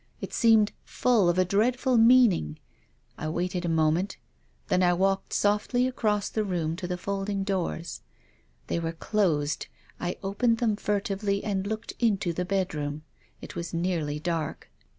It seemed full of a dreadful meaning. I waited a moment. Then I walked softly across the room to the folding doors. They were closed, I opened them furtively and looked into the bedroom. It was nearly dark.